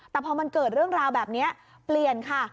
แต่พอมันเกิดเรื่องราวแบบนี้เปลี่ยนค่ะ